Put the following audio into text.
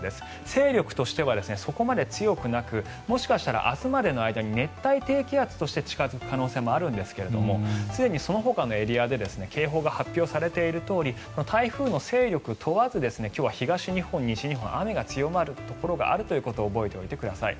勢力としてはそこまで強くなくもしかしたら明日までの間に熱帯低気圧として近付く可能性もあるんですがすでにそのほかのエリアで警報が発表されているとおり台風の勢力を問わず今日は西日本、東日本雨が強まるところがあるということを覚えておいてください。